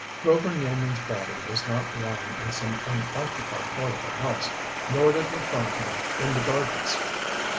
Grover Nealman's body was not lying in some unoccupied part of the house, nor did we find him in the gardens.